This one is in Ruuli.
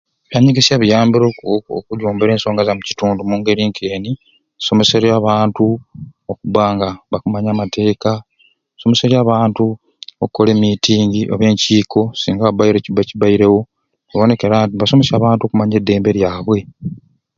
Ebyanyegesya biyambire oku oku okutumbula ensonga za mukitundu omungeri k'eni; Tusomeserye abantu okubanga bakumanya amateeka, tusomeserye abantu okkola e mitingi oba enkiiko singa wabaire ekiba kibairewo n'oboneker'adi nibasomesya abantu okumanya eddembe lyabwe.